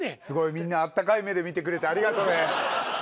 すごいみんなあったかい目で見てくれてありがとね。